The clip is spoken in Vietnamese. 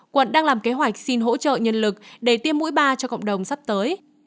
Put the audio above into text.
quận đang làm kế hoạch xin hỗ trợ nhân lực để tiêm mũi ba cho cộng đồng sắp tới